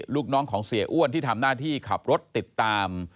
ลูกน้องของเสียอ้วนที่ทำหน้าที่ขับรถติดตาม